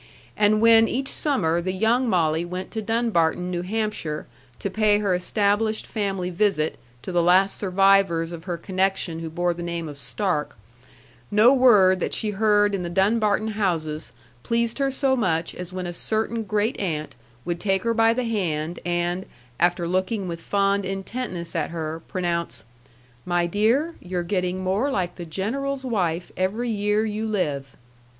And when each summer the young Molly went to Dunbarton, New Hampshire, to pay her established family visit to the last survivors of her connection who bore the name of Stark, no word that she heard in the Dunbarton houses pleased her so much as when a certain great aunt would take her by the hand, and, after looking with fond intentness at her, pronounce: "My dear, you're getting more like the General's wife every year you live."